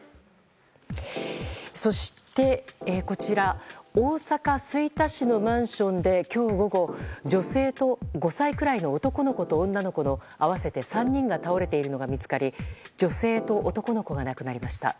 そして大阪・吹田市のマンションで今日午後、女性と５歳くらいの男の子と女の子の合わせて３人が倒れているのが見つかり女性と男の子が亡くなりました。